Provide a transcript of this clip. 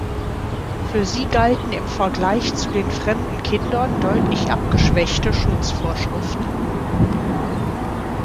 Für sie galten im Vergleich zu den fremden Kindern deutlich abgeschwächte Schutzvorschriften.